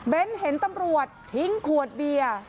เห็นตำรวจทิ้งขวดเบียร์